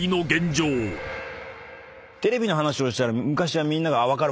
テレビの話をしたら昔はみんな「分かる。